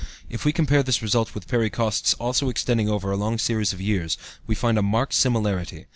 If we compare this result with Perry Coste's also extending over a long series of years, we find a marked similarity.